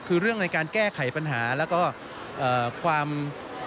คือเรื่องในการแก้ไขปัญหาและก็ความการใช้ชีวิต